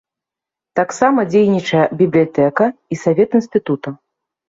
Таксама дзейнічае бібліятэка і савет інстытута.